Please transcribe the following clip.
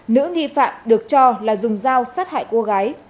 nữ nghi phạm được cho là dùng dao sát hại cô gái